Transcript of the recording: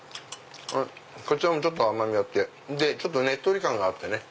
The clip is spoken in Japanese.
こちらもちょっと甘みがあってでねっとり感があってね。